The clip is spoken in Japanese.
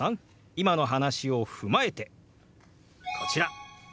今の話を踏まえてこちら。